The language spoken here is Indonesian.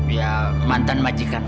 ya mantan majikan